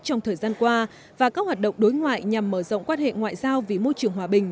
trong thời gian qua và các hoạt động đối ngoại nhằm mở rộng quan hệ ngoại giao vì môi trường hòa bình